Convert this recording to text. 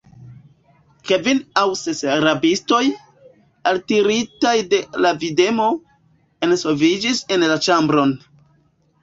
Kvin aŭ ses rabistoj, altiritaj de la videmo, enŝoviĝis en la ĉambron.